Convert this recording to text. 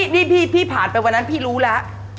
นี่พี่ผ่านไปวันนั้นพี่รู้แล้ว